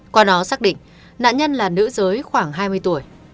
qua đó xác định nạn nhân là nữ giới khoảng hai mươi tuổi